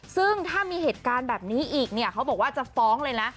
ซึ่งถ้ามีเหตุการณ์แบบนี้อีกเนี่ยเขาบอกว่าจะฟ้องเลยนะ